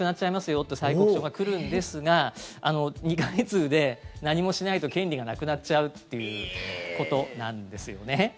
よって催告書が来るんですが２か月で何もしないと権利がなくなっちゃうっていうことなんですよね。